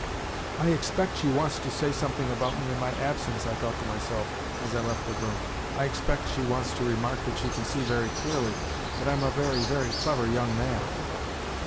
"I expect she wants to say something about me in my absence," I thought to myself as I left the room. "I expect she wants to remark that she can see very clearly that I am a very, very clever young man."